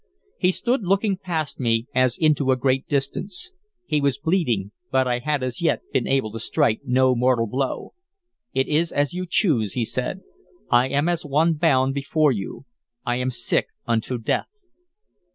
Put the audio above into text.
He stood looking past me as into a great distance. He was bleeding, but I had as yet been able to strike no mortal blow. "It is as you choose," he said. "I am as one bound before you. I am sick unto death."